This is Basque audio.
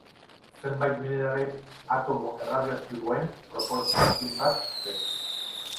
Zenbait mineralek atomo erradioaktiboen proportzio jakin bat dute.